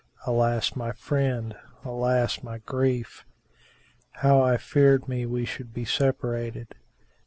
Alas, my friend! Alas my grief! How I feared me we should be separated!"